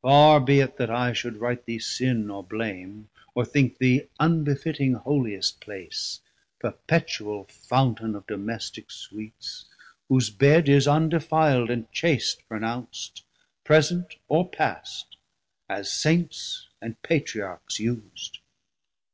Farr be it, that I should write thee sin or blame, Or think thee unbefitting holiest place, Perpetual Fountain of Domestic sweets, 760 Whose Bed is undefil'd and chast pronounc't, Present, or past, as Saints and Patriarchs us'd.